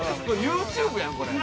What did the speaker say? ＹｏｕＴｕｂｅやんこれ。